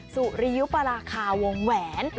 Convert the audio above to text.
สุริยุปราคาวงแหวน